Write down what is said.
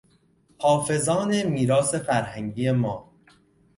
حافظان میراث فرهنگی ما